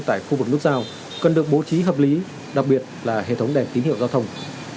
tại khu vực nút giao cần được bố trí hợp lý đặc biệt là hệ thống đèn tín hiệu giao thông